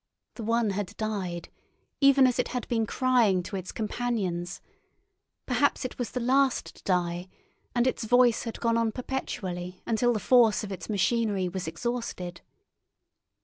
The one had died, even as it had been crying to its companions; perhaps it was the last to die, and its voice had gone on perpetually until the force of its machinery was exhausted.